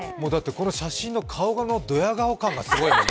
この写真の顔のどや顔感がすごいもんね。